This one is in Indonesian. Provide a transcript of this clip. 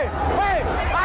kita harus ke rumah